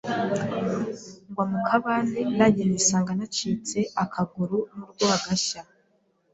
ngwa mu kabande nanjye nisanga nacitse akaguru n’urwagashya.